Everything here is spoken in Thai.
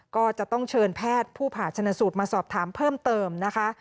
ก็จะต้องเชิญแพทย์ผู้ผ่าชนสูตรมาสอบถามเพิ่มเติมนะคะ